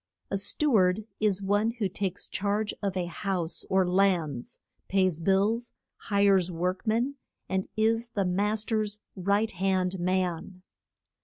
A stew ard is one who takes charge of a house or lands, pays bills, hires work men, and is the mas ter's right hand man.